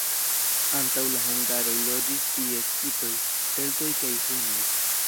Antaŭ la hungaroj loĝis tie skitoj, keltoj kaj hunoj.